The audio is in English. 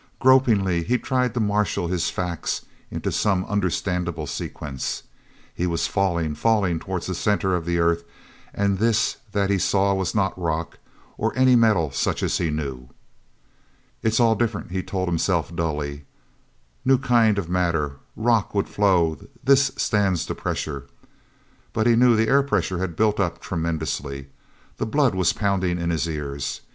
Gropingly he tried to marshal his facts into some understandable sequence. He was falling, falling toward the center of the earth, and this that he saw was not rock, or any metal such as he knew. "It's all different," he told himself dully, "new kind of matter. Rock would flow; this stands the pressure." But he knew the air pressure had built up tremendously. The blood was pounding in his ears.